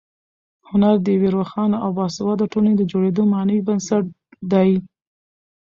هنر د یوې روښانه او باسواده ټولنې د جوړېدو معنوي بنسټ دی.